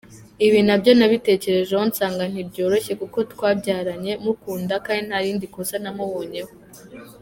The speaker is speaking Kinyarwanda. Ibi nabyo nabitekerejeho nsanga ntibyoroshye kuko twabyaranye, mukunda, kandi nta rindi kosa namubonyeho.